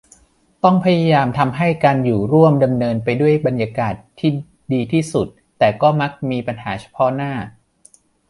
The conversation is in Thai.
ต้องพยายามทำให้การอยู่ร่วมดำเนินไปด้วยบรรยากาศที่ดีที่สุด แต่ก็มักมีปัญหาเฉพาะหน้า